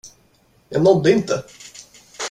Jag nådde inte.